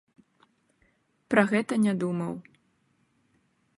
Пра гэта не думаў.